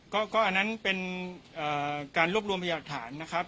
ก็ก็อันนั้นเป็นเอ่อการรวบรวมพยาบาทฐานนะครับ